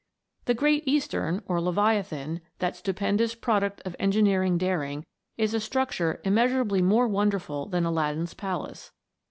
The Great Eastern, or Leviathan, that stupendous product of engineering daring, is a structure immea surably more wonderful than Aladdin's palace.